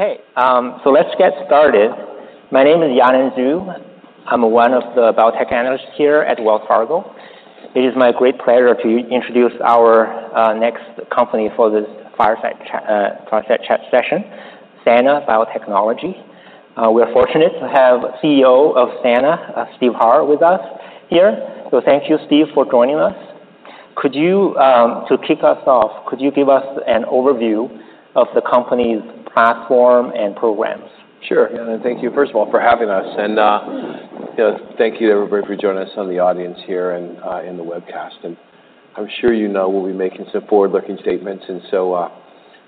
Okay, so let's get started. My name is Yanan Zhu. I'm one of the biotech analysts here at Wells Fargo. It is my great pleasure to introduce our next company for this fireside chat session, Sana Biotechnology. We're fortunate to have CEO of Sana, Steve Harr with us here. So thank you, Steve, for joining us. To kick us off, could you give us an overview of the company's platform and programs? Sure. Yanan, thank you, first of all, for having us. And, you know, thank you, everybody, for joining us in the audience here and in the webcast. And I'm sure you know we'll be making some forward-looking statements, and so,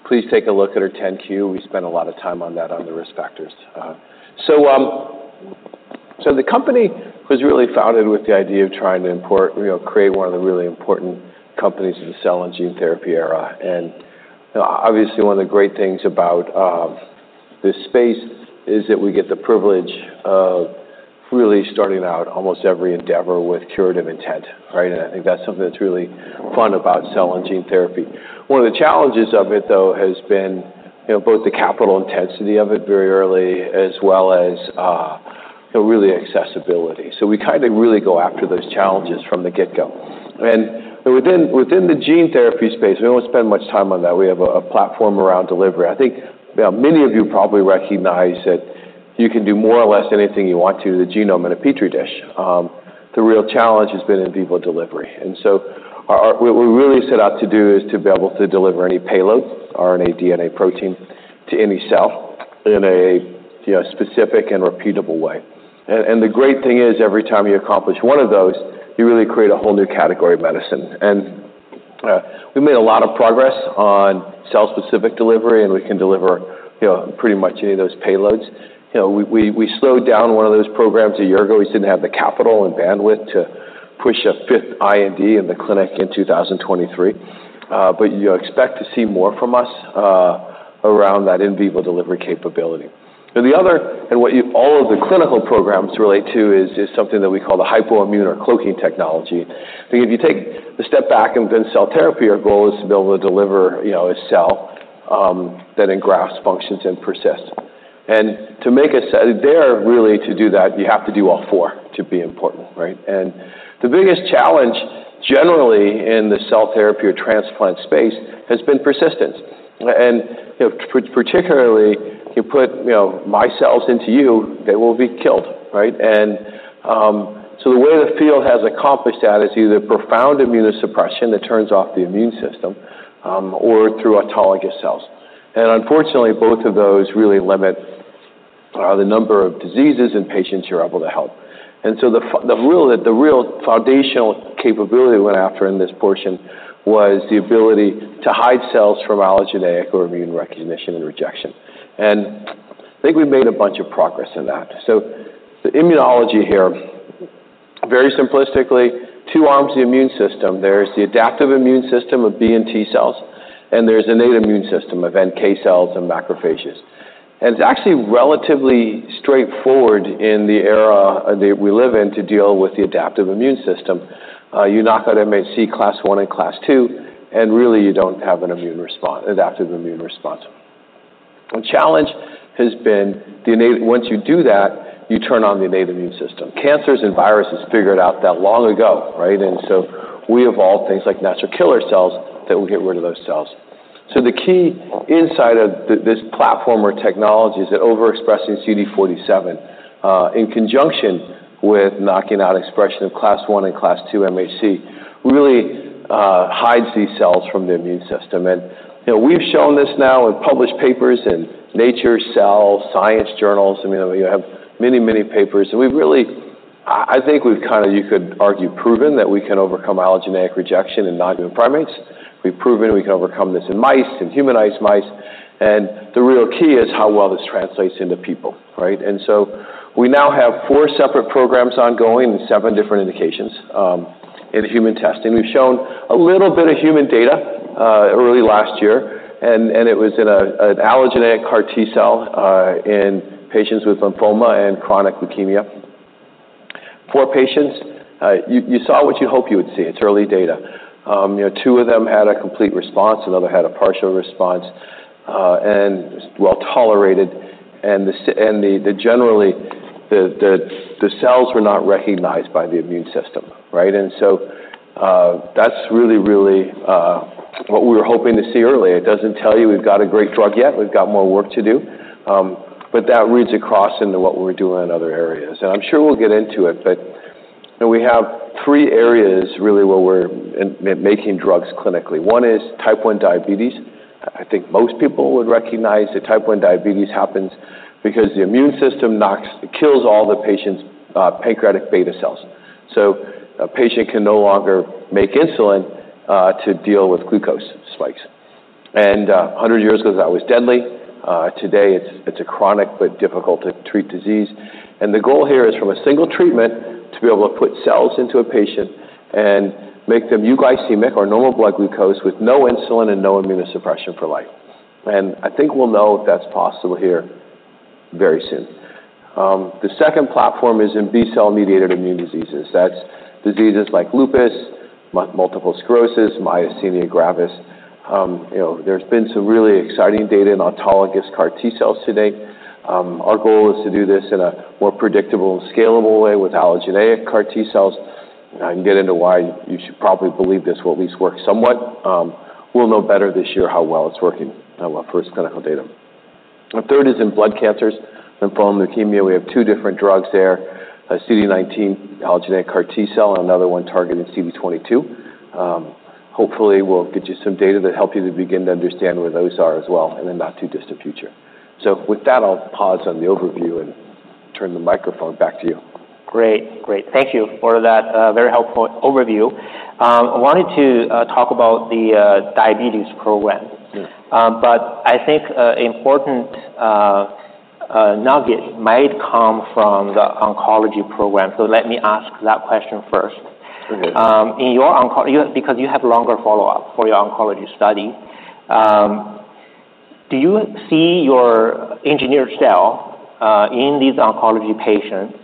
please take a look at our 10-Q. We spent a lot of time on that, on the risk factors. So, the company was really founded with the idea of trying to, you know, create one of the really important companies in the cell and gene therapy era. And obviously, one of the great things about this space is that we get the privilege of really starting out almost every endeavor with curative intent, right? And I think that's something that's really fun about cell and gene therapy. One of the challenges of it, though, has been, you know, both the capital intensity of it very early, as well as, you know, really accessibility. So we kind of really go after those challenges from the get-go. And within the gene therapy space, we don't spend much time on that. We have a platform around delivery. I think, you know, many of you probably recognize that you can do more or less anything you want to with a genome in a petri dish. The real challenge has been in vivo delivery. And so what we really set out to do is to be able to deliver any payload, RNA, DNA, protein, to any cell in a, you know, specific and repeatable way. And the great thing is, every time you accomplish one of those, you really create a whole new category of medicine. And we've made a lot of progress on cell-specific delivery, and we can deliver, you know, pretty much any of those payloads. You know, we slowed down one of those programs a year ago. We didn't have the capital and bandwidth to push a fifth IND in the clinic in 2023. But you expect to see more from us around that in vivo delivery capability. And the other, and what you've all of the clinical programs relate to is something that we call the hypoimmune or cloaking technology. I think if you take a step back and within cell therapy, our goal is to be able to deliver, you know, a cell that engrafts, functions, and persists. And to make a cell really, to do that, you have to do all four to be important, right? The biggest challenge, generally, in the cell therapy or transplant space, has been persistence. You know, particularly, you put, you know, my cells into you, they will be killed, right? The way the field has accomplished that is either profound immunosuppression that turns off the immune system, or through autologous cells. Unfortunately, both of those really limit the number of diseases and patients you're able to help. The real foundational capability we went after in this portion was the ability to hide cells from allogeneic or immune recognition and rejection. I think we've made a bunch of progress in that. The immunology here, very simplistically, two arms of the immune system. There's the adaptive immune system of B and T cells, and there's innate immune system of NK cells and macrophages. And it's actually relatively straightforward in the era that we live in to deal with the adaptive immune system. You knock out MHC Class I and Class II, and really, you don't have an immune response, adaptive immune response. The challenge has been the innate. Once you do that, you turn on the innate immune system. Cancers and viruses figured out that long ago, right? And so we evolved things like natural killer cells that will get rid of those cells. So the key insight of this platform or technology is that overexpressing CD47, in conjunction with knocking out expression of Class I and Class II MHC, really, hides these cells from the immune system. And, you know, we've shown this now in published papers, in Nature, Cell, Science journals, I mean, we have many, many papers. And we've really... I think we've kind of, you could argue, proven that we can overcome allogeneic rejection in non-human primates. We've proven we can overcome this in mice and humanized mice, and the real key is how well this translates into people, right? We now have four separate programs ongoing in seven different indications in human testing. We've shown a little bit of human data early last year, and it was in an allogeneic CAR T-cell in patients with lymphoma and chronic leukemia. Four patients, you saw what you hoped you would see. It's early data. You know, two of them had a complete response, another had a partial response, and well-tolerated, and the cells were generally not recognized by the immune system, right? And so, that's really what we were hoping to see early. It doesn't tell you we've got a great drug yet. We've got more work to do. But that reads across into what we're doing in other areas. And I'm sure we'll get into it, but. And we have three areas, really, where we're making drugs clinically. One is Type 1 diabetes. I think most people would recognize that Type 1 diabetes happens because the immune system kills all the patient's pancreatic beta cells. So a patient can no longer make insulin to deal with glucose spikes. And a hundred years ago, that was deadly. Today, it's a chronic but difficult-to-treat disease. And the goal here is, from a single treatment, to be able to put cells into a patient and make them euglycemic or normal blood glucose with no insulin and no immunosuppression for life. And I think we'll know if that's possible here very soon. The second platform is in B-cell-mediated immune diseases. That's diseases like lupus, multiple sclerosis, myasthenia gravis. You know, there's been some really exciting data in autologous CAR T-cells to date. Our goal is to do this in a more predictable, scalable way with allogeneic CAR T-cells. I can get into why you should probably believe this will at least work somewhat. We'll know better this year how well it's working, our first clinical data. The third is in blood cancers, lymphoma, leukemia. We have two different drugs there, a CD19 allogeneic CAR T-cell, and another one targeting CD22. Hopefully, we'll get you some data that help you to begin to understand where those are as well in the not-too-distant future. So with that, I'll pause on the overview and turn the microphone back to you. Great. Great. Thank you for that, very helpful overview. I wanted to talk about the diabetes program. Yes. But I think important nugget might come from the oncology program, so let me ask that question first. Okay. In your oncology, because you have longer follow-up for your oncology study, do you see your engineered cell in these oncology patients,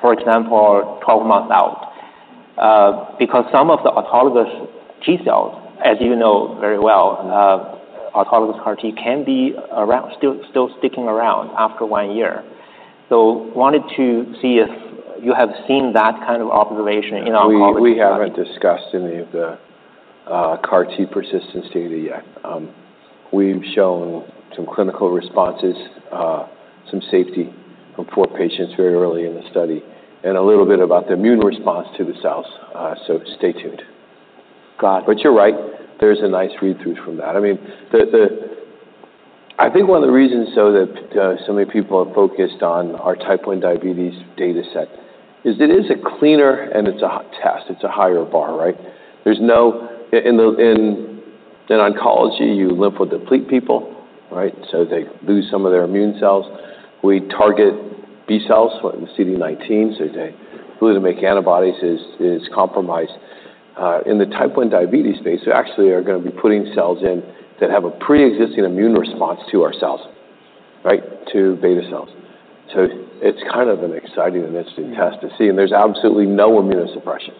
for example, twelve months out? Because some of the autologous T-cells, as you know very well, autologous CAR T can be around, still sticking around after one year. Wanted to see if you have seen that kind of observation in oncology? We haven't discussed any of the CAR T persistence data yet. We've shown some clinical responses, some safety from four patients very early in the study, and a little bit about the immune response to the cells, so stay tuned. Got it. But you're right, there's a nice read-through from that. I mean, I think one of the reasons, though, that so many people are focused on our Type 1 diabetes dataset is it is a cleaner, and it's a hot test. It's a higher bar, right? There's in oncology, you lymphodeplete people, right? So they lose some of their immune cells. We target B-cells with CD19, so they, who make antibodies, is compromised. In the Type 1 diabetes space, we actually are gonna be putting cells in that have a preexisting immune response to our cells, right, to beta cells. So it's kind of an exciting and interesting test to see, and there's absolutely no immunosuppression.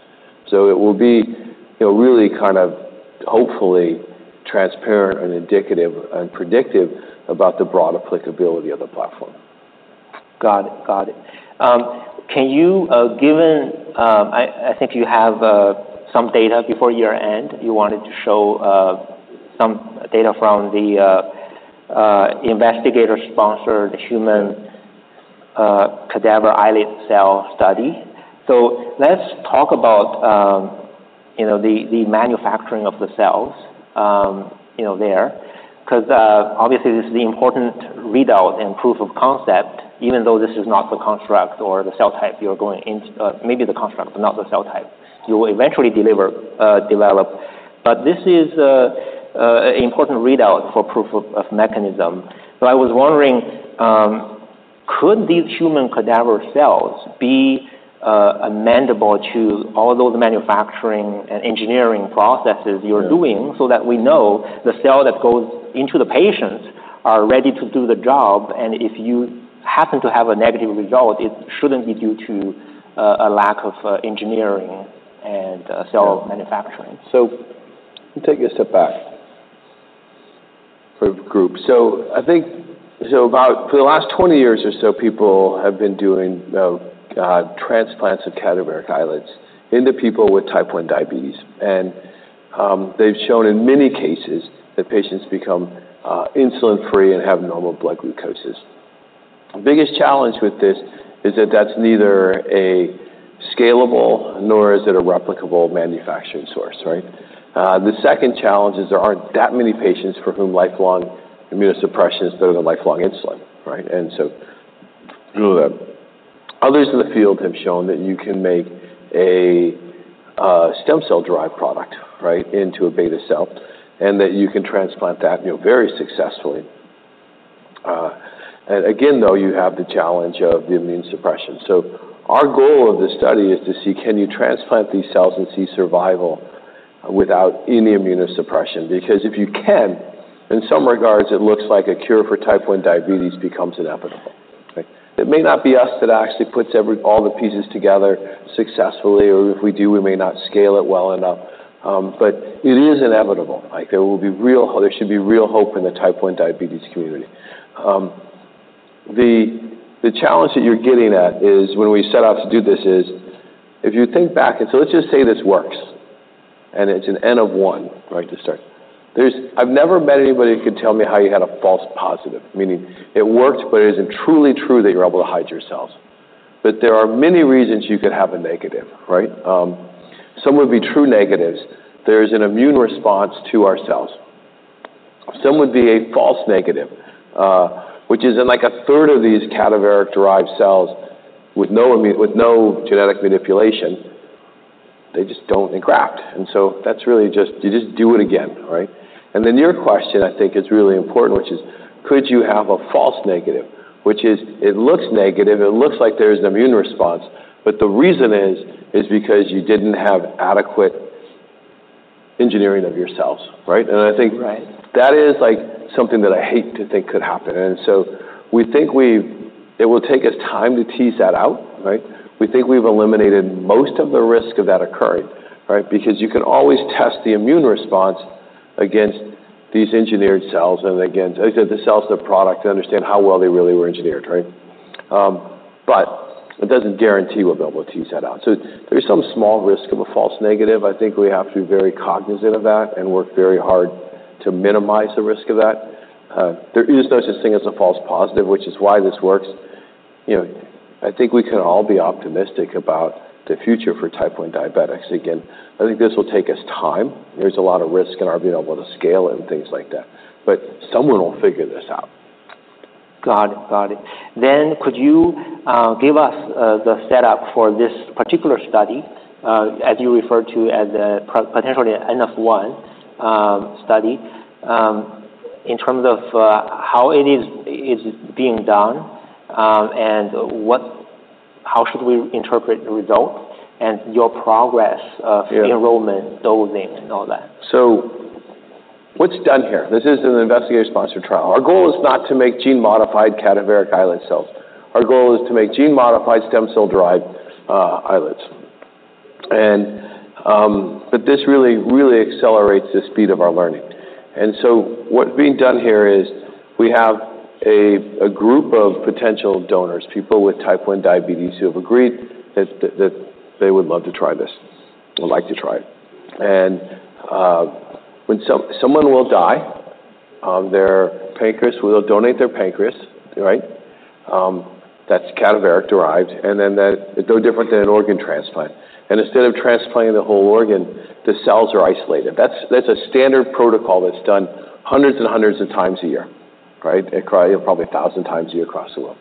So it will be, you know, really kind of, hopefully, transparent and indicative and predictive about the broad applicability of the platform. Got it. Got it. Can you, I think you have some data before year-end. You wanted to show some data from the investigator-sponsored human cadaveric islet cell study. So let's talk about, you know, the manufacturing of the cells, you know, there, 'cause, obviously this is the important readout and proof of concept, even though this is not the construct or the cell type you're going into, maybe the construct, but not the cell type you will eventually deliver, develop. But this is an important readout for proof of mechanism. So I was wondering, could these human cadaveric cells be amenable to all those manufacturing and engineering processes you're doing- Sure so that we know the cell that goes into the patients are ready to do the job, and if you happen to have a negative result, it shouldn't be due to a lack of engineering and Sure - cell manufacturing. So let me take a step back for the group. So I think, so about for the last twenty years or so, people have been doing transplants of cadaveric islets into people with Type 1 diabetes, and they've shown in many cases that patients become insulin-free and have normal blood glucoses. The biggest challenge with this is that that's neither a scalable nor is it a replicable manufacturing source, right? The second challenge is there aren't that many patients for whom lifelong immunosuppression is better than lifelong insulin, right? And so, others in the field have shown that you can make a stem cell-derived product, right, into a beta cell, and that you can transplant that, you know, very successfully. And again, though, you have the challenge of the immunosuppression. So our goal of this study is to see, can you transplant these cells and see survival without any immunosuppression? Because if you can, in some regards, it looks like a cure for Type 1 diabetes becomes inevitable, right? It may not be us that actually puts all the pieces together successfully, or if we do, we may not scale it well enough, but it is inevitable. Like, there should be real hope in the Type 1 diabetes community. The challenge that you're getting at is, when we set out to do this is, if you think back, and so let's just say this works, and it's an N of one, right, to start. I've never met anybody who could tell me how you had a false positive, meaning it worked, but it isn't truly true that you're able to hide your cells. But there are many reasons you could have a negative, right? Some would be true negatives. There's an immune response to our cells. Some would be a false negative, which is in, like, a third of these cadaveric-derived cells with no genetic manipulation. They just don't engraft, and so that's really just, you just do it again, right? And then your question, I think, is really important, which is, could you have a false negative? Which is, it looks negative, it looks like there's an immune response, but the reason is because you didn't have adequate engineering of your cells, right? And I think- Right. That is like something that I hate to think could happen. So we think it will take us time to tease that out, right? We think we've eliminated most of the risk of that occurring, right? Because you can always test the immune response against these engineered cells and against the cells, the product, to understand how well they really were engineered, right? But it doesn't guarantee we'll be able to tease that out. So there's some small risk of a false negative. I think we have to be very cognizant of that and work very hard to minimize the risk of that. There is no such thing as a false positive, which is why this works. You know, I think we can all be optimistic about the future for Type 1 diabetics. Again, I think this will take us time. There's a lot of risk in our being able to scale it and things like that, but someone will figure this out. Got it. Got it. Then could you give us the setup for this particular study, as you referred to as potentially an N of one study, in terms of how it is being done, and how should we interpret the results and your progress of- Yeah... the enrollment, dosing, and all that? So what's done here? This is an investigator-sponsored trial. Okay. Our goal is not to make gene-modified cadaveric islet cells. Our goal is to make gene-modified stem cell-derived islets. But this really, really accelerates the speed of our learning. What's being done here is we have a group of potential donors, people with Type 1 diabetes, who have agreed that they would love to try this or like to try it. When someone will die, their pancreas, we will donate their pancreas, right? That's cadaveric-derived, and then that. It's no different than an organ transplant. Instead of transplanting the whole organ, the cells are isolated. That's a standard protocol that's done hundreds and hundreds of times a year, right? Probably a thousand times a year across the world.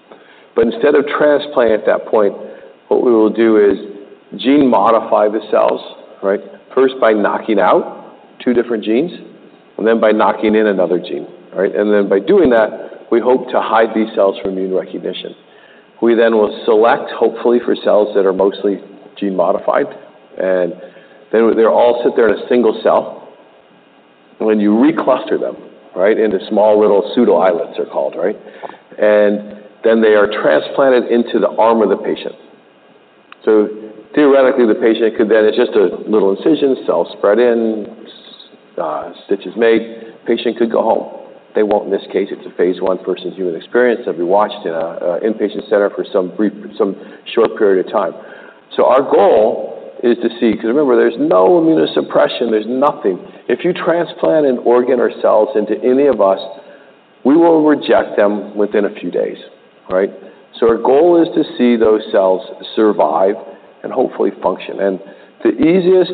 Instead of transplant at that point, what we will do is gene modify the cells, right? First, by knocking out two different genes, and then by knocking in another gene, right? And then by doing that, we hope to hide these cells from immune recognition. We then will select, hopefully, for cells that are mostly gene-modified, and then they all sit there in a single cell. When you recluster them, right, into small little pseudo-islets, they're called, right? And then they are transplanted into the arm of the patient. So theoretically, the patient could then, it's just a little incision, cells spread in, stitches made, patient could go home. They won't in this case, it's a phase I first human experience, they'll be watched in an inpatient center for some short period of time. So our goal is to see, because remember, there's no immunosuppression, there's nothing. If you transplant an organ or cells into any of us, we will reject them within a few days, right? So our goal is to see those cells survive and hopefully function. And the easiest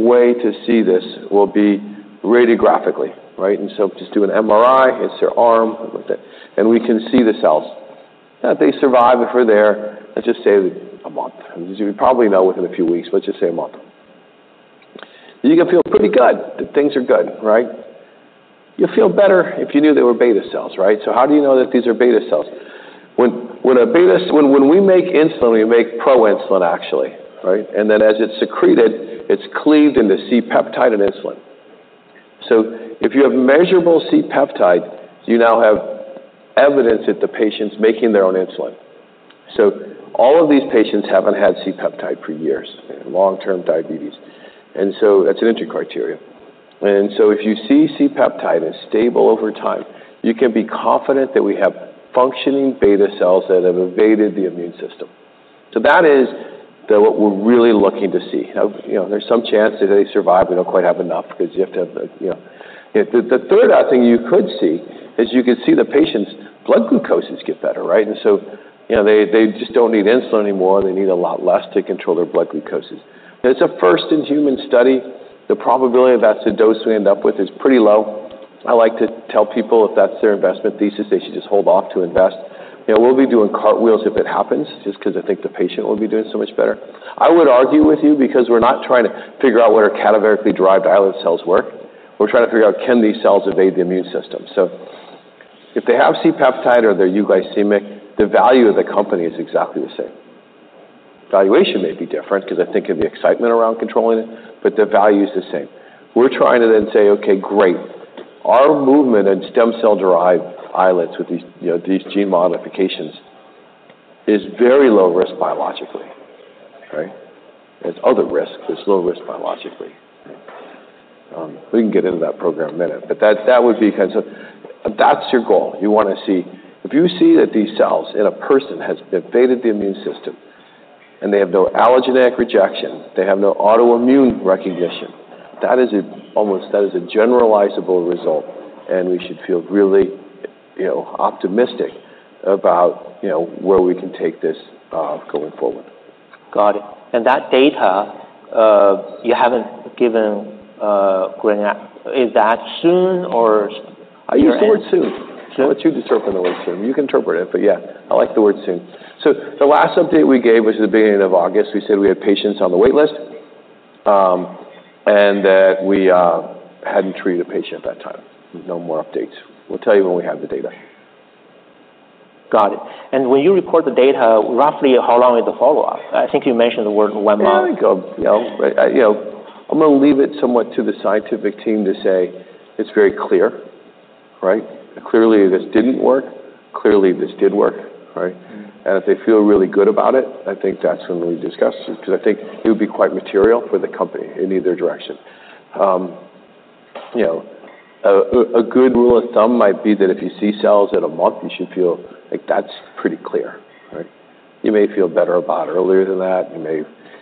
way to see this will be radiographically, right? And so just do an MRI, it's their arm, and we can see the cells. That they survive, if we're there, let's just say a month. As you probably know, within a few weeks, but let's just say a month. You can feel pretty good that things are good, right? You'll feel better if you knew they were beta cells, right? So how do you know that these are beta cells? When we make insulin, we make proinsulin, actually, right? And then as it's secreted, it's cleaved into C-peptide and insulin. So if you have measurable C-peptide, you now have evidence that the patient's making their own insulin. So all of these patients haven't had C-peptide for years, long-term diabetes. And so that's an entry criteria. And so if you see C-peptide is stable over time, you can be confident that we have functioning beta cells that have evaded the immune system. So that is what we're really looking to see. You know, there's some chance that they survive, we don't quite have enough because you have to have the, you know. The third thing you could see is you can see the patient's blood glucoses get better, right? And so, you know, they just don't need insulin anymore. They need a lot less to control their blood glucoses. But it's a first-in-human study. The probability that's the dose we end up with is pretty low. I like to tell people if that's their investment thesis, they should just hold off to invest. You know, we'll be doing cartwheels if it happens, just because I think the patient will be doing so much better. I would argue with you because we're not trying to figure out whether cadaveric-derived islet cells work. We're trying to figure out, can these cells evade the immune system? So if they have C-peptide or they're euglycemic, the value of the company is exactly the same. Valuation may be different because I think of the excitement around controlling it, but the value is the same. We're trying to then say, "Okay, great." Our movement in stem cell-derived islets with these, you know, these gene modifications is very low risk biologically, right? There's other risks, but it's low risk biologically. We can get into that program in a minute, but that would be kind of. That's your goal. You want to see. If you see that these cells in a person has evaded the immune system, and they have no allogeneic rejection, they have no autoimmune recognition, that is almost a generalizable result, and we should feel really, you know, optimistic about, you know, where we can take this going forward. Got it. And that data, you haven't given a readout. Is that soon, or? I use the word soon. Soon? I'll let you interpret the word soon. You can interpret it, but yeah, I like the word soon. So the last update we gave was at the beginning of August. We said we had patients on the wait list, and that we hadn't treated a patient at that time. No more updates. We'll tell you when we have the data.... Got it. And when you record the data, roughly, how long is the follow-up? I think you mentioned the word one month. Yeah, I go, you know, but, you know, I'm gonna leave it somewhat to the scientific team to say it's very clear, right? Clearly, this didn't work. Clearly, this did work, right? Mm-hmm. If they feel really good about it, I think that's when we discuss it, 'cause I think it would be quite material for the company in either direction. You know, a good rule of thumb might be that if you see cells in a month, you should feel like that's pretty clear, right? You may feel better about earlier than that.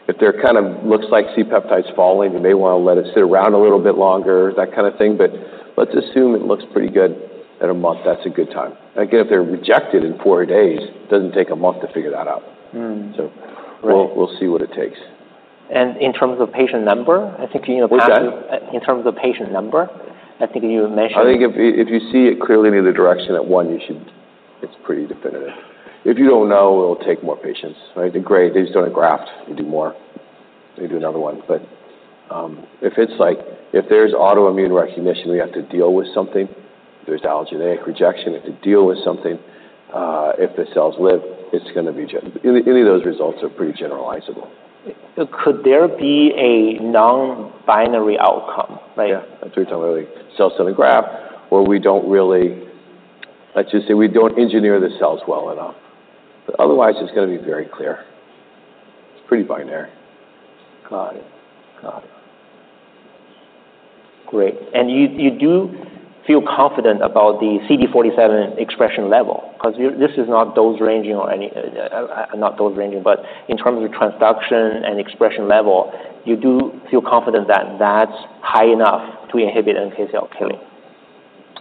If there kind of looks like C-peptide's falling, you may wanna let it sit around a little bit longer, that kind of thing. But let's assume it looks pretty good at a month. That's a good time. Again, if they're rejected in four days, it doesn't take a month to figure that out. Mm-hmm. So- Right. We'll see what it takes. And in terms of patient number, I think, you know, perhaps you- What's that? In terms of patient number, I think you mentioned- I think if you, if you see it clearly in either direction, at one, you should. It's pretty definitive. If you don't know, it'll take more patients, right? They're great. They just do a graft and do more. They do another one. But if it's like, if there's autoimmune recognition, we have to deal with something. If there's allogeneic rejection, we have to deal with something. If the cells live, it's gonna be generalizable. Any of those results are pretty generalizable. Could there be a non-binary outcome, right? Yeah, that's what I'm talking about. Cells in a graft. Let's just say, we don't engineer the cells well enough. But otherwise, it's gonna be very clear. It's pretty binary. Got it. Got it. Great. And you do feel confident about the CD47 expression level? 'Cause you-- This is not dose ranging, but in terms of your transduction and expression level, you do feel confident that that's high enough to inhibit NK cell killing?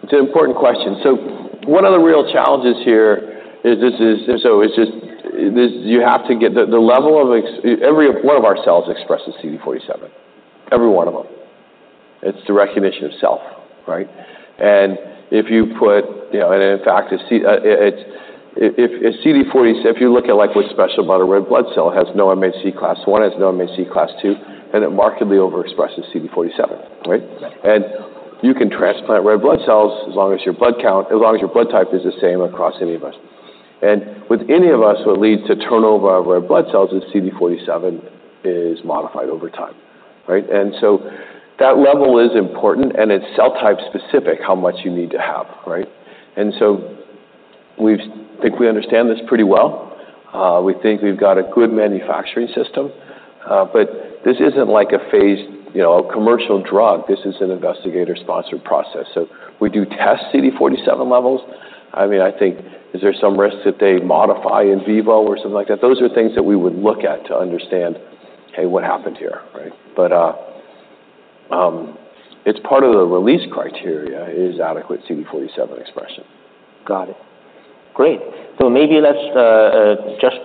It's an important question. So one of the real challenges here is you have to get the level of expression every one of our cells expresses CD47, every one of them. It's the recognition of self, right? And if you put, you know. And in fact, so if you look at, like, what's special about a red blood cell, it has no MHC Class I, it has no MHC Class II, and it markedly overexpresses CD47, right? Right. You can transplant red blood cells as long as your blood count, as long as your blood type is the same across any of us. And with any of us, what leads to turnover of red blood cells is CD47 is modified over time, right? And so that level is important, and it's cell type specific, how much you need to have, right? And so we think we understand this pretty well. We think we've got a good manufacturing system, but this isn't like a phase, you know, a commercial drug. This is an investigator-sponsored process. So we do test CD47 levels. I mean, I think, is there some risk that they modify in vivo or something like that? Those are things that we would look at to understand, hey, what happened here, right? But it's part of the release criteria is adequate CD47 expression. Got it. Great. So maybe let's just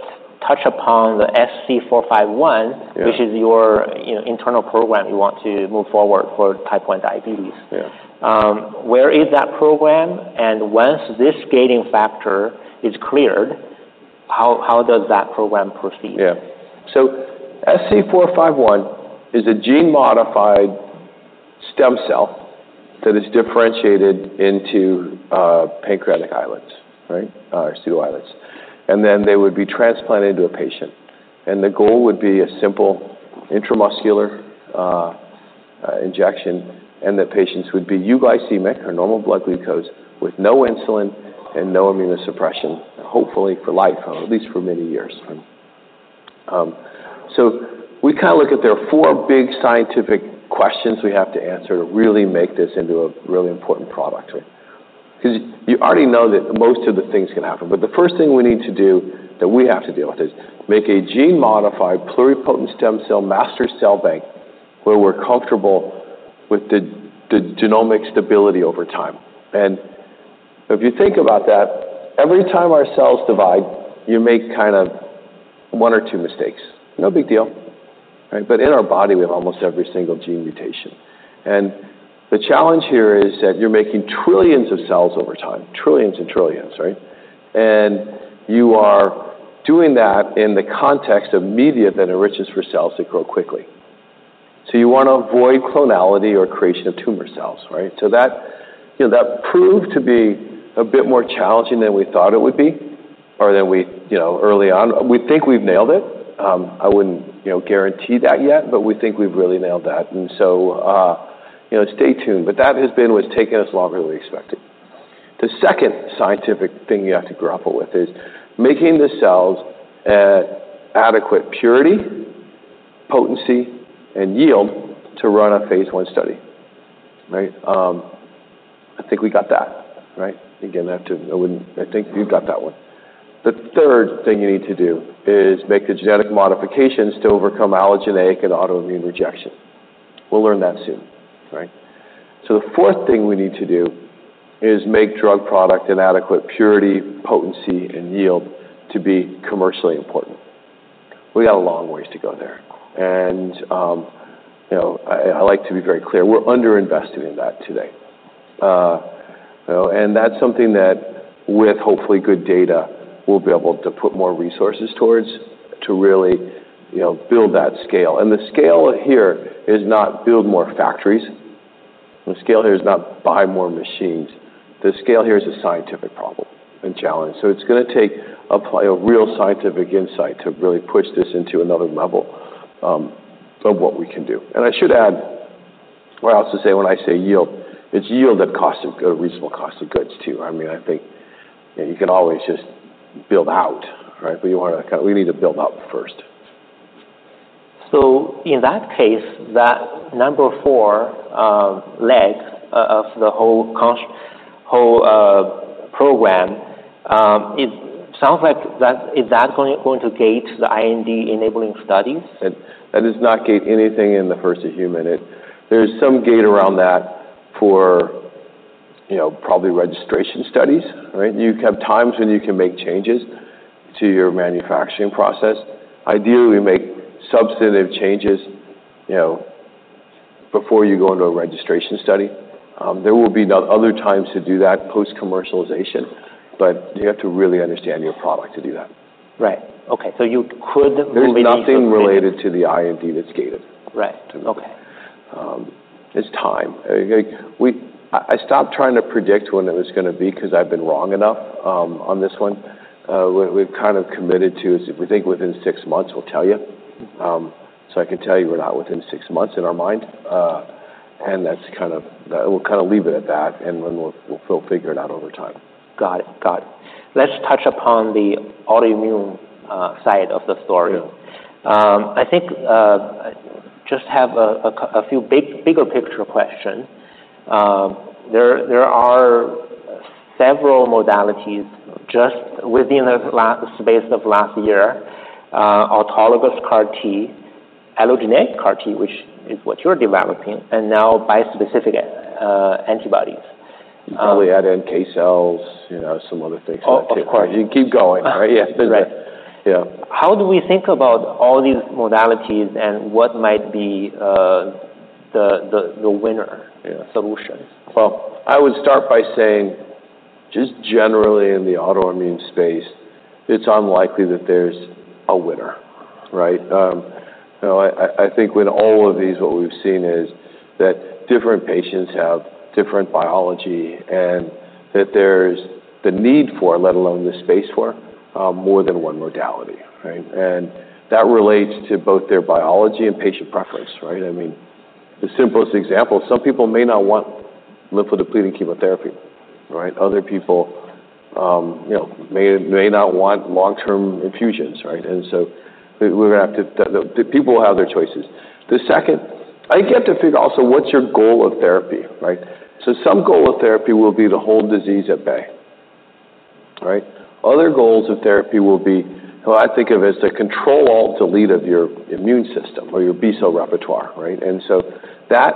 touch upon the SC451- Yeah. which is your, you know, internal program you want to move forward for Type 1 diabetes. Yeah. Where is that program? And once this gating factor is cleared, how does that program proceed? Yeah. So SC451 is a gene-modified stem cell that is differentiated into pancreatic islets, right? Pseudo-islets. And then they would be transplanted into a patient, and the goal would be a simple intramuscular injection, and the patients would be euglycemic or normal blood glucose with no insulin and no immunosuppression, hopefully for life, or at least for many years. So we kind of look at there are four big scientific questions we have to answer to really make this into a really important product. 'Cause you already know that most of the things can happen, but the first thing we need to do, that we have to deal with, is make a gene-modified, pluripotent stem cell master cell bank, where we're comfortable with the genomic stability over time. If you think about that, every time our cells divide, you make kind of one or two mistakes. No big deal, right? But in our body, we have almost every single gene mutation. And the challenge here is that you're making trillions of cells over time, trillions and trillions, right? And you are doing that in the context of media that enriches for cells that grow quickly. So you want to avoid clonality or creation of tumor cells, right? So that, you know, that proved to be a bit more challenging than we thought it would be or than we... You know, early on. We think we've nailed it. I wouldn't, you know, guarantee that yet, but we think we've really nailed that. And so, you know, stay tuned. But that has been what's taking us longer than we expected. The second scientific thing you have to grapple with is making the cells at adequate purity, potency, and yield to run a phase one study, right? I think we got that, right? I think we've got that one. The third thing you need to do is make the genetic modifications to overcome allogeneic and autoimmune rejection. We'll learn that soon, right? So the fourth thing we need to do is make drug product in adequate purity, potency, and yield to be commercially important. We got a long ways to go there, and, you know, I like to be very clear, we're underinvested in that today. You know, and that's something that, with hopefully good data, we'll be able to put more resources towards to really, you know, build that scale. And the scale here is not build more factories. The scale here is not buy more machines. The scale here is a scientific problem and challenge. So it's gonna take apply a real scientific insight to really push this into another level of what we can do. And I should add, or else to say, when I say yield, it's yield at cost of a reasonable cost of goods, too. I mean, I think, you know, you can always just build out, right? But you wanna we need to build out first. In that case, that number four leg of the whole construct whole program, it sounds like that is that going to gate the IND-enabling studies? That does not gate anything in the first human. It. There's some gate around that for, you know, probably registration studies, right? You have times when you can make changes to your manufacturing process. Ideally, you make substantive changes, you know, before you go into a registration study. There will be the other times to do that post-commercialization, but you have to really understand your product to do that. Right. Okay, so you could maybe- There's nothing related to the IND that's gated. Right. Okay. It's time. Like, I stopped trying to predict when it was gonna be because I've been wrong enough on this one. We've kind of committed to, if we think within six months, we'll tell you. So I can tell you we're not within six months in our mind, and that's kind of. We'll kind of leave it at that, and then we'll figure it out over time. Got it. Got it. Let's touch upon the autoimmune side of the story. Yeah. I think just a few bigger picture questions. There are several modalities just within the last year, autologous CAR T, allogeneic CAR T, which is what you're developing, and now bispecific antibodies. You probably add in NK cells, you know, some other things in there, too. Of course. You keep going, right? Yeah. Right. Yeah. How do we think about all these modalities, and what might be the winner solutions? I would start by saying, just generally in the autoimmune space, it's unlikely that there's a winner, right? You know, I think with all of these, what we've seen is that different patients have different biology, and that there's the need for, let alone the space for, more than one modality, right? And that relates to both their biology and patient preference, right? I mean, the simplest example, some people may not want lymphodepleting chemotherapy, right? Other people, you know, may not want long-term infusions, right? And so we're gonna have to... The people will have their choices. The second, I think you have to figure also what's your goal of therapy, right? So some goal of therapy will be to hold disease at bay, right? Other goals of therapy will be, well, I think of it as the control-alt-delete of your immune system or your B-cell repertoire, right? And so that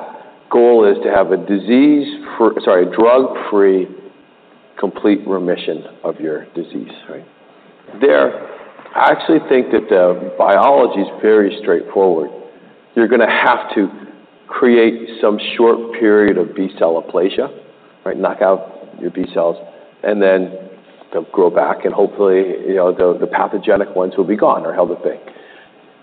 goal is to have a disease for... Sorry, drug-free, complete remission of your disease, right? There, I actually think that the biology is very straightforward. You're gonna have to create some short period of B-cell aplasia, right? Knock out your B-cells, and then they'll grow back, and hopefully, you know, the pathogenic ones will be gone or held at bay.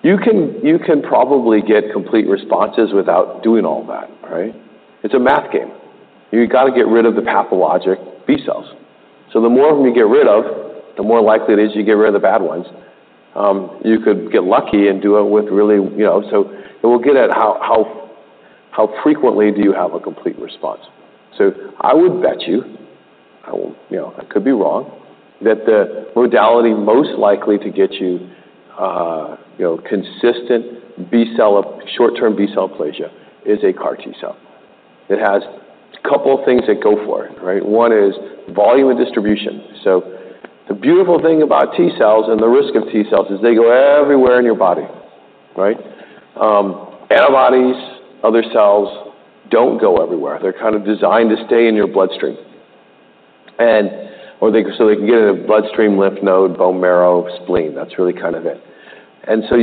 You can probably get complete responses without doing all that, right? It's a math game. You got to get rid of the pathologic B-cells. So the more of them you get rid of, the more likely it is you get rid of the bad ones. You could get lucky and do it with really, you know... So, and we'll get at how frequently do you have a complete response. I would bet you, you know, I could be wrong, that the modality most likely to get you, you know, consistent B-cell short-term B-cell aplasia is a CAR T-cell. It has a couple of things that go for it, right? One is volume and distribution. The beautiful thing about T-cells and the risk of T-cells is they go everywhere in your body, right? Antibodies, other cells don't go everywhere. They're kind of designed to stay in your bloodstream. And they can get in the bloodstream, lymph node, bone marrow, spleen. That's really kind of it. And so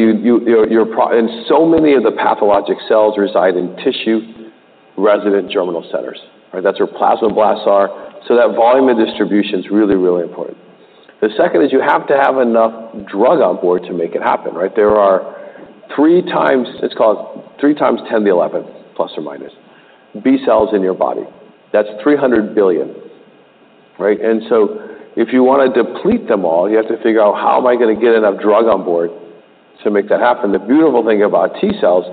many of the pathologic cells reside in tissue-resident germinal centers. All right? That's where plasmablasts are. So that volume and distribution is really, really important. The second is you have to have enough drug on board to make it happen, right? There are three times, it's called three times ten to the eleventh, plus or minus, B-cells in your body. That's three hundred billion, right? And so if you want to deplete them all, you have to figure out, how am I gonna get enough drug on board to make that happen? The beautiful thing about T-cells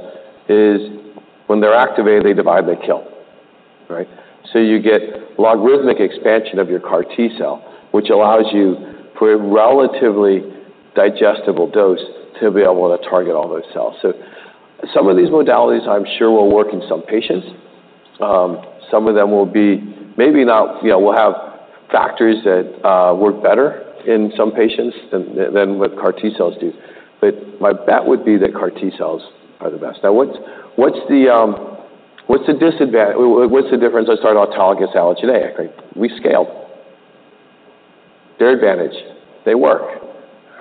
is when they're activated, they divide, they kill, right? So you get logarithmic expansion of your CAR T-cell, which allows you, for a relatively digestible dose, to be able to target all those cells. So some of these modalities, I'm sure, will work in some patients. Some of them will be maybe not... You know, will have factors that work better in some patients than what CAR T-cells do. But my bet would be that CAR T-cells are the best. Now, what's the difference between autologous and allogeneic, right? We scaled. Their advantage, they work,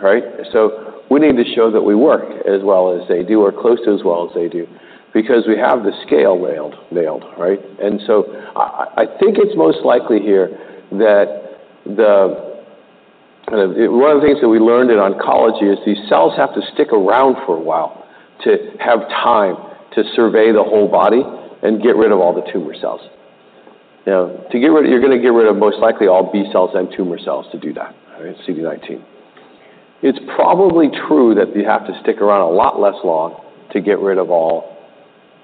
right? So we need to show that we work as well as they do or close to as well as they do, because we have the scale nailed, right? And so I think it's most likely here that one of the things that we learned in oncology is these cells have to stick around for a while to have time to survey the whole body and get rid of all the tumor cells. Now, to get rid of, you're gonna get rid of most likely all B cells and tumor cells to do that, all right, CD19. It's probably true that you have to stick around a lot less long to get rid of all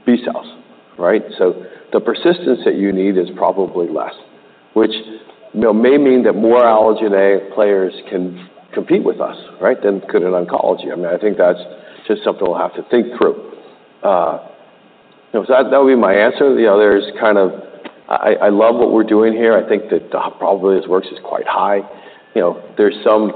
B cells, right? So the persistence that you need is probably less, which, you know, may mean that more allogeneic players can compete with us, right, than could in oncology. I mean, I think that's just something we'll have to think through. You know, so that, that would be my answer. You know, there's kind of I love what we're doing here. I think the probability this works is quite high. You know, there's some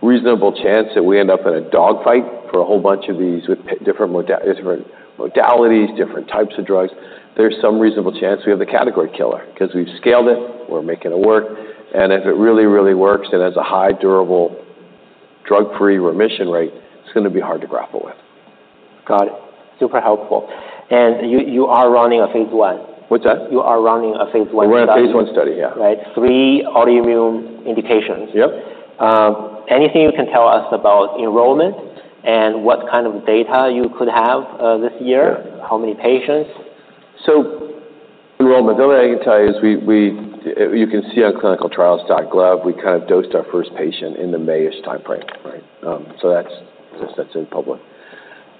reasonable chance that we end up in a dogfight for a whole bunch of these with different modalities, different types of drugs. There's some reasonable chance we have the category killer because we've scaled it, we're making it work, and if it really, really works and has a high durable drug-free remission rate, it's gonna be hard to grapple with. Got it. Super helpful. And you, you are running a phase one? What's that? You are running a phase one study. We're running a phase one study, yeah. Right. Three autoimmune indications. Yep. Anything you can tell us about enrollment and what kind of data you could have this year? Yeah. How many patients? So enrollment, the only thing I can tell you is we. You can see on ClinicalTrials.gov, we kind of dosed our first patient in the May-ish timeframe, right? So that's in public.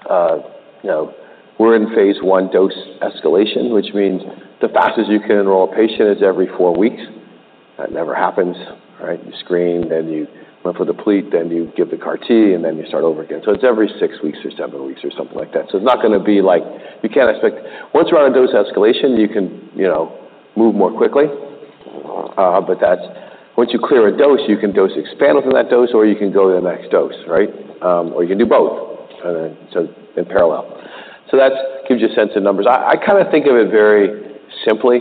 You know, we're in phase one dose escalation, which means the fastest you can enroll a patient is every four weeks. That never happens, right? You screen, then you went for the apheresis, then you give the CAR T, and then you start over again. So it's every six weeks or seven weeks or something like that. So it's not gonna be like. You can't expect. Once you're on a dose escalation, you can, you know, move more quickly, but that's once you clear a dose, you can dose expand within that dose, or you can go to the next dose, right? Or you can do both, so in parallel. So that gives you a sense of numbers. I kind of think of it very simply.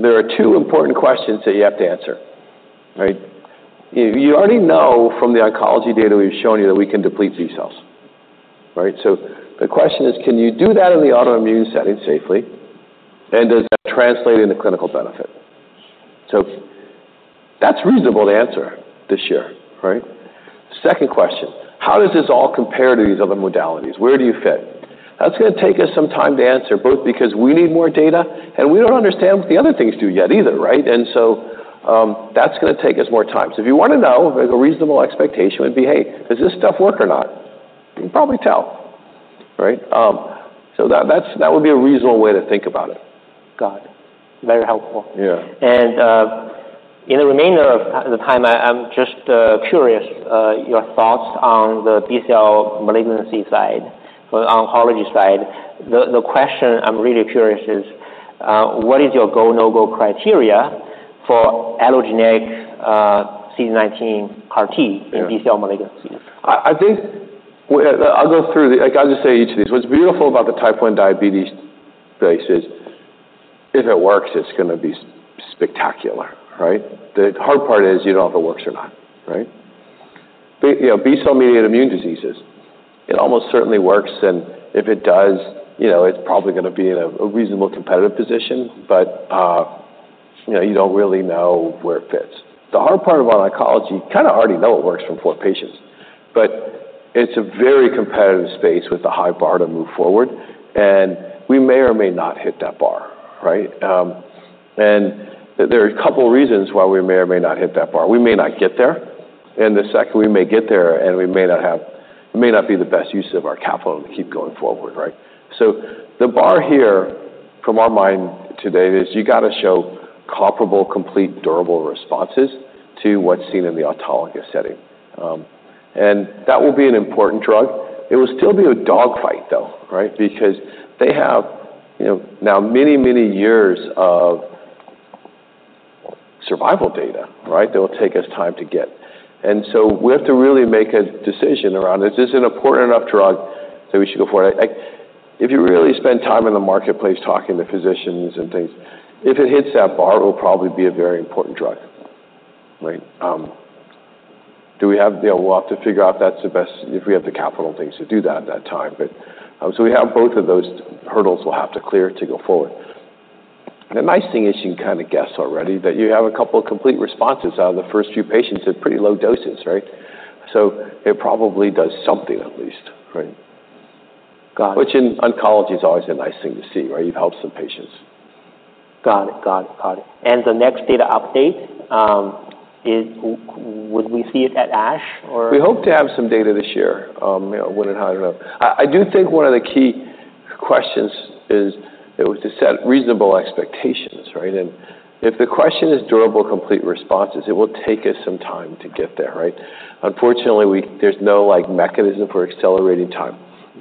There are two important questions that you have to answer, right? You already know from the oncology data we've shown you that we can deplete these cells, right? So the question is, can you do that in the autoimmune setting safely, and does that translate into clinical benefit? So that's reasonable to answer this year, right? Second question: How does this all compare to these other modalities? Where do you fit? That's gonna take us some time to answer, both because we need more data, and we don't understand what the other things do yet either, right? And so, that's gonna take us more time. So if you want to know, a reasonable expectation would be, "Hey, does this stuff work or not?" You can probably tell, right? So that would be a reasonable way to think about it. Got it. Very helpful. Yeah. In the remainder of the time, I'm just curious your thoughts on the B-cell malignancy side, the oncology side. The question I'm really curious is, what is your go/no-go criteria for allogeneic CD19 CAR T- Yeah in B-cell malignancy? I think I'll go through. Like, I'll just say each of these. What's beautiful about the Type 1 diabetes space is, if it works, it's gonna be spectacular, right? The hard part is you don't know if it works or not, right? You know, B-cell-mediated immune diseases, it almost certainly works, and if it does, you know, it's probably gonna be in a reasonable competitive position, but you know, you don't really know where it fits. The hard part about oncology, kind of already know it works for four patients, but it's a very competitive space with a high bar to move forward, and we may or may not hit that bar, right? And there are a couple reasons why we may or may not hit that bar. We may not get there, and the second, we may get there, and we may not have it, it may not be the best use of our capital to keep going forward, right? So the bar here, from our mind today, is you got to show comparable, complete, durable responses to what's seen in the autologous setting. And that will be an important drug. It will still be a dogfight, though, right? Because they have, you know, now many, many years of survival data, right? That will take us time to get. And so we have to really make a decision around, is this an important enough drug that we should go for it? If you really spend time in the marketplace talking to physicians and things, if it hits that bar, it will probably be a very important drug, right? You know, we'll have to figure out if that's the best, if we have the capital things to do that at that time, but so we have both of those hurdles we'll have to clear to go forward. The nice thing is, you can kind of guess already that you have a couple of complete responses out of the first few patients at pretty low doses, right, so it probably does something at least, right? Got it. Which in oncology is always a nice thing to see, right? You've helped some patients. Got it. Got it, got it. And the next data update, would we see it at ASH or? We hope to have some data this year, you know, wouldn't hide it up. I do think one of the key questions is that we just set reasonable expectations, right? And if the question is durable, complete responses, it will take us some time to get there, right? Unfortunately, there's no, like, mechanism for accelerating time.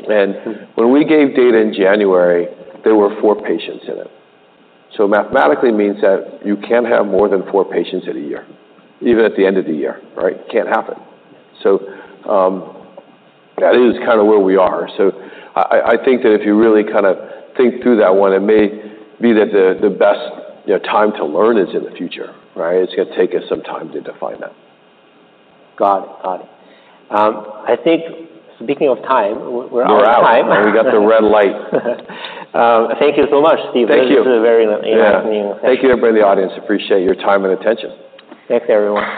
And when we gave data in January, there were four patients in it. So mathematically means that you can't have more than four patients in a year, even at the end of the year, right? Can't happen. So, that is kind of where we are. So I think that if you really kind of think through that one, it may be that the best, you know, time to learn is in the future, right? It's gonna take us some time to define that. Got it. Got it. I think speaking of time, we're out of time. We're out. We got the red light. Thank you so much, Steve. Thank you. This was a very interesting- Yeah -meeting. Thank you, everybody in the audience. Appreciate your time and attention. Thanks, everyone.